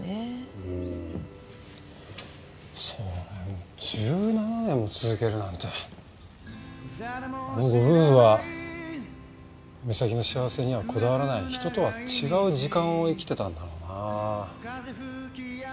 うんそれを１７年も続けるなんてあのご夫婦は目先の幸せにはこだわらない人とは違う時間を生きてたんだろうな。